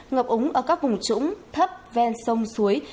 ngập úng ở các vùng trũng thấp ven sông suối